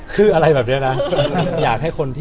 คืออะไรแบบนี้นะ